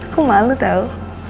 aku malu tau